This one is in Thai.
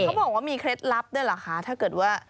เขาบอกว่ามีเคล็ดลับด้วยหรอค่ะ